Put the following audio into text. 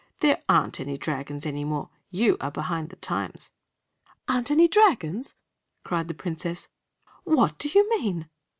"There aren't any dragons any more. You are behind the times." "Aren't any dragons!" cried the Princess. "What do you mean?"